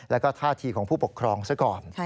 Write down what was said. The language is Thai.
แล้วก็ท่าทีของผู้ปกครองซะก่อน